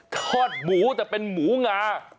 ทอดหมูแต่เป็นหมูงา